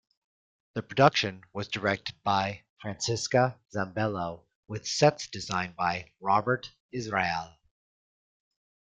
The production was directed by Francesca Zambello with sets designed by Robert Israel.